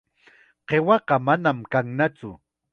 Qiwaqa manam kannatsu.